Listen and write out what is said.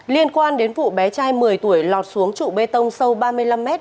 liên quan đến vụ bé trai một mươi tuổi lọt xuống trụ bê tông sâu ba mươi năm m